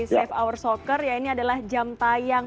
save our soccer ya ini adalah jam tayang